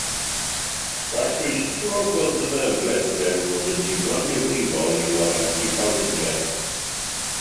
Gall rhwystro gwddf y bledren fod yn ddigon difrifol i warantu llawdriniaeth.